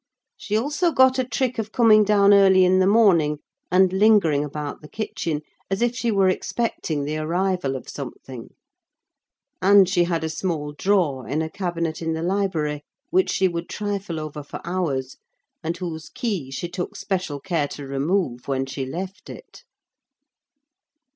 She also got a trick of coming down early in the morning and lingering about the kitchen, as if she were expecting the arrival of something; and she had a small drawer in a cabinet in the library, which she would trifle over for hours, and whose key she took special care to remove when she left it.